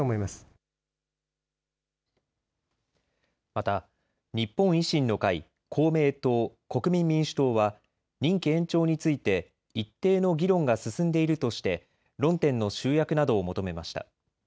また日本維新の会、公明党、国民民主党は任期延長について一定の議論が進んでいるとして論点の集約などを求めました。